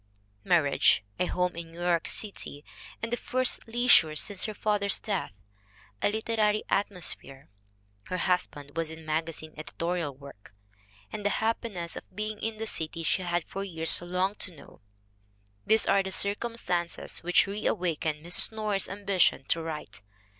Marriage, a home in New York City, and the first leisure since her father's death; a literary atmosphere (her husband was in magazine editorial work), and the happiness of being in the city she had for years longed to know these are the circumstances which reawakened Mrs. Norris's ambition to write.